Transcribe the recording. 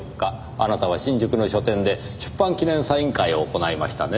あなたは新宿の書店で出版記念サイン会を行いましたね？